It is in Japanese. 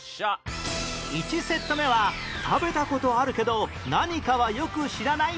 １セット目は食べた事あるけど何かはよく知らない３品